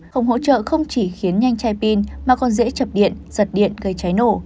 hồng hỗ trợ không chỉ khiến nhanh chai pin mà còn dễ chập điện giật điện gây cháy nổ